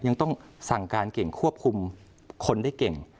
ยังต้องสั่งการเก่งควบคุมคนได้เก่ง